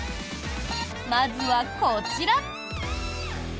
まずはこちら！